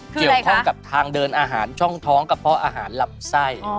เกี่ยวข้องกับทางเดินอาหารช่องท้องกระเพาะอาหารหลับไส้